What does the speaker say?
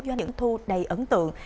doanh nghiệp thu đầy ấn tượng